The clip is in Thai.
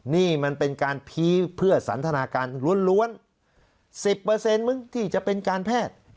นี่มันเป็นการพีคเพื่อสันทนาการล้วน๑๐มึงที่จะเป็นการแพทย์